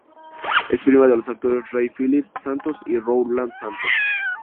Es prima de los actores Rey-Phillip Santos y Rowland Santos.